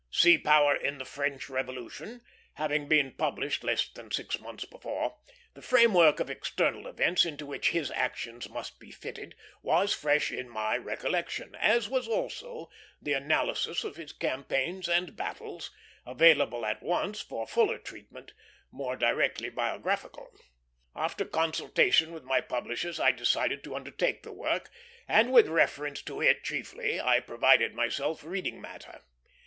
Sea Power in the French Revolution having been published less than six months before, the framework of external events, into which his actions must be fitted, was fresh in my recollection, as was also the analysis of his campaigns and battles, available at once for fuller treatment, more directly biographical. After consultation with my publishers I decided to undertake the work, and with reference to it chiefly I provided myself reading matter.